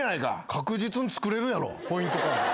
確実に作れるやろポイントカード。